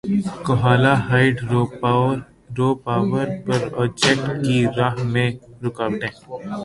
Kohala hydro power project کی راہ میں رکاوٹیں